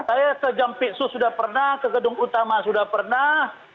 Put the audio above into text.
saya ke jampitsu sudah pernah ke gedung utama sudah pernah